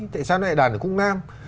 tại sao lại đàn ở cung nam